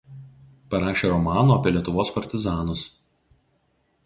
Parašė romanų apie Lietuvos partizanus.